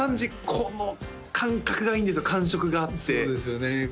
この感覚がいいんですよ感触があってそうですよね